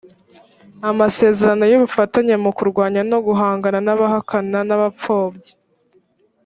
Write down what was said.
amasezerano y ubufatanye mu kurwanya no guhangana n abahakana n abapfobya